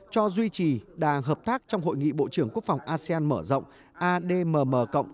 cho duy trì đà hợp tác trong hội nghị bộ trưởng quốc phòng asean mở rộng admm